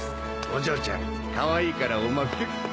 お嬢ちゃんかわいいからオマケ。